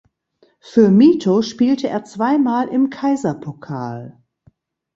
Für Mito spielte er zweimal im Kaiserpokal.